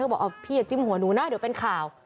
บอกพี่อย่าจิ้มหัวหนูนะเดี๋ยวเป็นข่าว